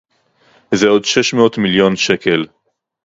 זה עוד שש מאות מיליון שקל